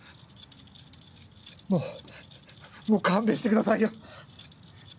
もうもう勘弁してくださいよ。